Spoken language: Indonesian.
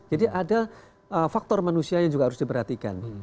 jadi ada faktor manusia yang juga harus diperhatikan